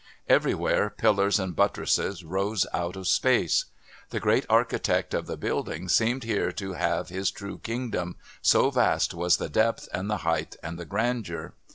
Everywhere pillars and buttresses rose out of space. The great architect of the building seemed here to have his true kingdom, so vast was the depth and the height and the grandeur.